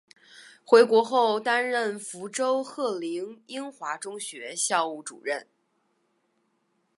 回国后担任福州鹤龄英华中学校务主任。